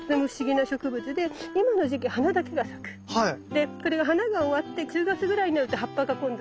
でこれが花が終わって１０月ぐらいになると葉っぱが今度は生えてきて